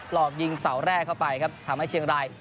หลอกยิงเสาแรกเข้าไปครับทำให้เชียงราย